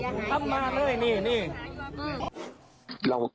ทรัพย์มาเลยนี่